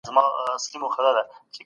د هر چا لپاره لاره شته.